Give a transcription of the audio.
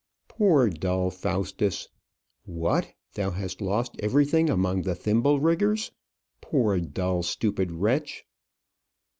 Poor, dull Faustus! What! thou hast lost everything among the thimble riggers? Poor, dull, stupid wretch!